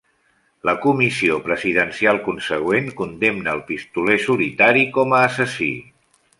La comissió presidencial consegüent condemna el pistoler solitari com a assassí.